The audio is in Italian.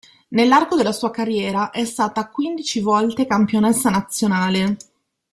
Nell'arco della sua carriera è stata quindici volte campionessa nazionale.